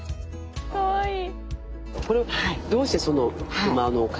かわいい。